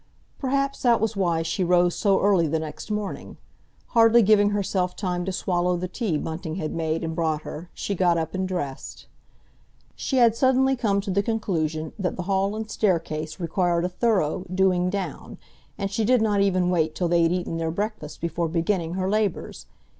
Perhaps that was why she rose so early the next morning. Hardly giving herself time to swallow the tea Bunting had made and brought her, she got up and dressed. She had suddenly come to the conclusion that the hall and staircase required a thorough "doing down," and she did not even wait till they had eaten their breakfast before beginning her labours.